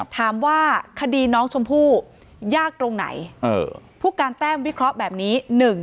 ถามว่าคดีน้องชมพู่ยากตรงไหนผู้การแต้มวิเคราะห์แบบนี้